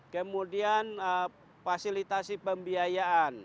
kemudian fasilitasi pembiayaan